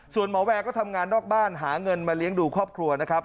ส่วนหมอแวร์ก็ทำงานนอกบ้านหาเงินมาเลี้ยงดูครอบครัวนะครับ